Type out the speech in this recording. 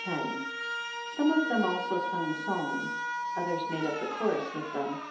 101 Some of them also sung psalms, others made up the chorus with them.